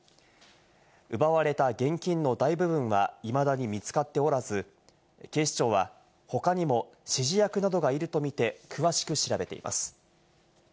奪われた現金の大部分はいまだに見つかっておらず、警視庁は他にも指示役などがいるとみて詳しく調べています。